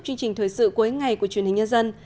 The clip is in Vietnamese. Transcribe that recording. chương trình thời sự cuối ngày của truyền hình nhân dân